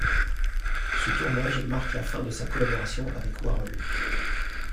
Ce tournage marque la fin de sa collaboration avec Warhol.